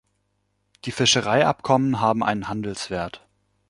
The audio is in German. Die Fischereiabkommen haben einen Handelswert.